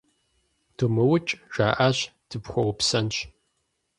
Думыукӏ, - жаӏащ,- дыпхуэупсэнщ.